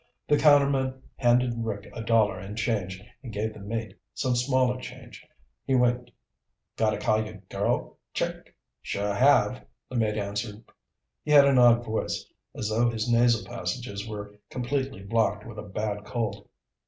The counterman handed Rick a dollar in change and gave the mate some smaller change. He winked. "Gotta call yer girl, Chick?" "Sure have," the mate answered. He had an odd voice, as though his nasal passages were completely blocked with a bad cold.